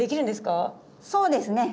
そうですね。